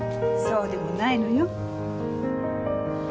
そうでもないのよ。